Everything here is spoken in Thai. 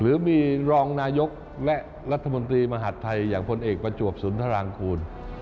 หรือมีรองนายกและรัฐมนตรีมหาดไทยอย่างพลเอกประจวบสุนทรางคูณ